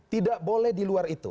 tidak boleh di luar itu